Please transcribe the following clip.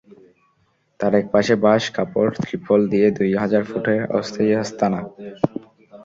তার একপাশে বাঁশ, কাপড়, ত্রিপল দিয়ে দুই হাজার ফুটের অস্থায়ী আস্তানা।